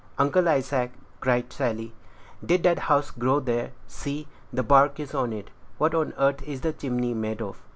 "Uncle Isaac," cried Sally, "did that house grow there? See, the bark is on it. What on earth is the chimney made of?"